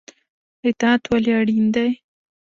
اطاعت ولې اړین دی؟